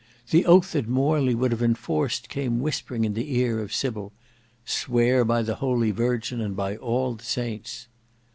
The oath that Morley would have enforced came whispering in the ear of Sybil—"Swear by the holy Virgin and by all the saints."